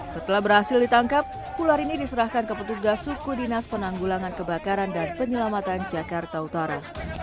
setelah berhasil ditangkap ular ini diserahkan ke petugas suku dinas penanggulangan kebakaran dan penyelamatan jakarta utara